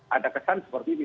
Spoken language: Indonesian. ada kesan seperti